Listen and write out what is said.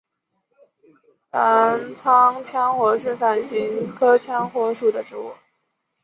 澜沧羌活是伞形科羌活属的植物。